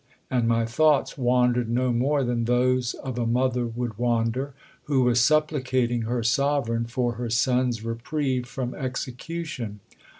And my thoughts wandered no more than those of a mother would wander, who was supplicating her Sovereign for her son's reprieve from execution....